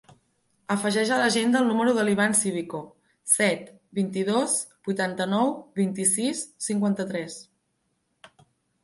Afegeix a l'agenda el número de l'Ivan Civico: set, vint-i-dos, vuitanta-nou, vint-i-sis, cinquanta-tres.